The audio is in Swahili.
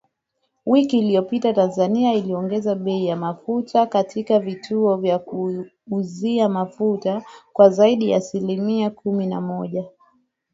Wiki iliyopita Tanzania iliongeza bei ya mafuta katika vituo vya kuuzia mafuta kwa zaidi ya asilimia kumi na moja